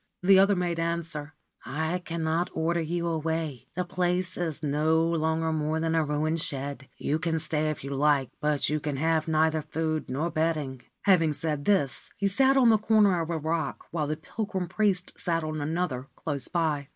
The other made answer :* I cannot order you away. This place is no longer more than a ruined shed. You can stay if you like ; but you can have neither food nor bedding/ Having said 218 White Bone Mountain this, he sat on the corner of a rock, while the pilgrim priest sat on another, close by.